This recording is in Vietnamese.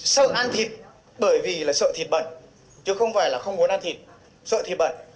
sợ ăn thịt bởi vì là sợ thịt bẩn chứ không phải là không muốn ăn thịt sợ thịt bẩn